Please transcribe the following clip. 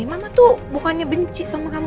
mama tuh bukannya benci sama kamu